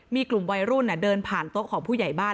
มีกลุ่มวัยรุ่นเดินผ่านโต๊ะของผู้ใหญ่บ้าน